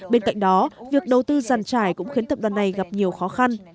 bên cạnh đó việc đầu tư giàn trải cũng khiến tập đoàn này gặp nhiều khó khăn